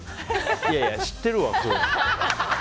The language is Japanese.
いやいや、知ってるわ。